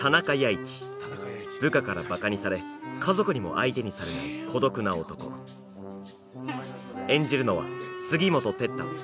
一部下からバカにされ家族にも相手にされない孤独な男演じるのは杉本哲太